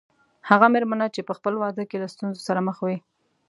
هغه مېرمنه چې په خپل واده کې له ستونزو سره مخ وي.